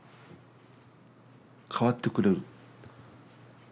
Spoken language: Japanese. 変わってくれる。